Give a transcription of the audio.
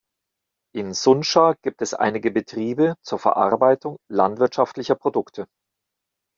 In Sunscha gibt es einige Betriebe zur Verarbeitung landwirtschaftlicher Produkte.